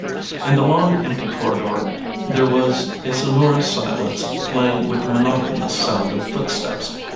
In the long empty corridor there was a sonorous silence playing with the monotonous sound of footsteps.